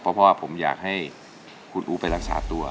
เพราะว่าผมอยากให้คุณอู๋ไปรักษาตัว